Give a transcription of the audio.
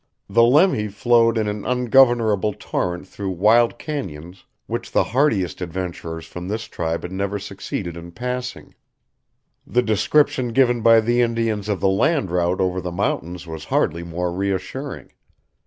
The Lemhi flowed in an ungovernable torrent through wild cañons which the hardiest adventurers from this tribe had never succeeded in passing. The description given by the Indians of the land route over the mountains was hardly more reassuring.